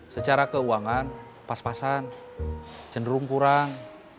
secara keuangan pas pasan cenderung kurang